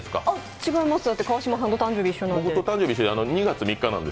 違います、だって川島さんと誕生日一緒なんで。